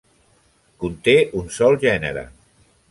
Conté un sol gènere.